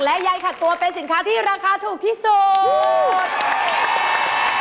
และยายขัดตัวเป็นสินค้าที่ราคาถูกที่สุด